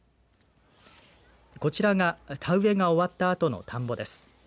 こちらが、田植えが終わったあとの田んぼです。